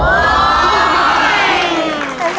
วิธีมาก